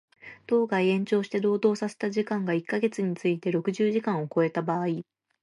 当該延長して労働させた時間が一箇月について六十時間を超えた場合